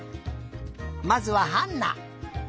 まずはハンナ。